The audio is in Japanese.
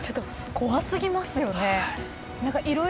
怖すぎますよね。